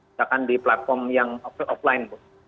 misalkan di platform yang offline bu